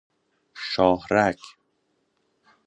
شاهرگ